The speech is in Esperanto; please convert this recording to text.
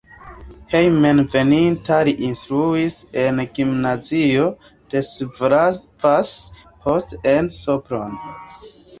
Hejmenveninta li instruis en gimnazio de Szarvas, poste en Sopron.